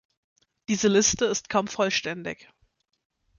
Diese Liste ist kaum vollständig.